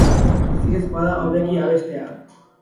Ezinezkoa da hobeki abestea.